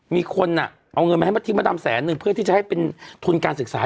มีคนเอาเงินมาให้มัธิมดำแสนนึงเพื่อที่จะให้เป็นทุนการศึกษา